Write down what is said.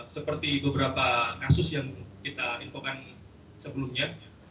seperti beberapa kasus yang kita infokan sebelumnya